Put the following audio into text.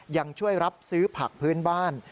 ยังช่วยรับซื้อผักพื้นบ้าน